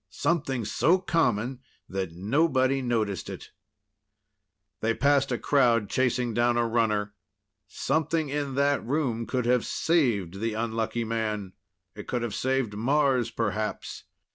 Something so common that nobody noticed it! They passed a crowd chasing down a runner. Something in that room could have saved the unlucky man. It could have saved Mars, perhaps.